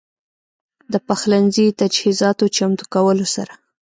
د پخلنځي تجهيزاتو چمتو کولو سره